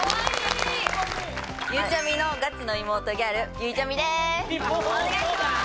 ゆうちゃみのガチの妹ギャルゆいちゃみです